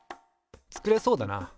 作れそうだな。